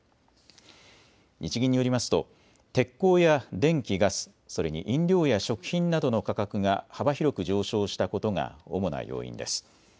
日銀によりますと鉄鋼や電気・ガス、それに飲料や食品などの価格が幅広く上昇したことが主な要因です。